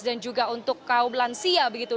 dan juga untuk kaum lansia begitu